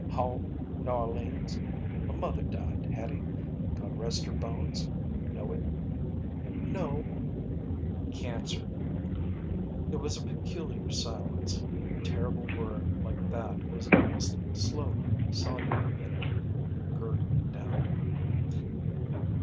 "Home. N'Orleans. M' mother died, Hattie, God rest her bones. Know it?" "No." "Cancer." It was a peculiar silence. A terrible word like that was almost slowly soluble in it. Gurgling down.